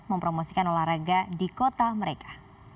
mempromosikan olahraga di kota mereka